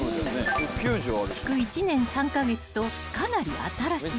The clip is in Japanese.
［築１年３カ月とかなり新しい］